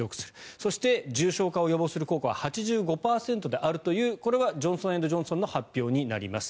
そして、重症化を予防する効果は８５％であるというこれはジョンソン・エンド・ジョンソンの発表になります。